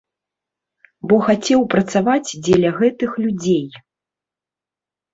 Бо хацеў працаваць дзеля гэтых людзей.